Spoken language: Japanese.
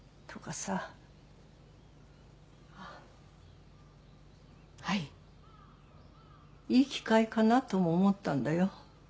さあっはいいい機会かなとも思ったんだよ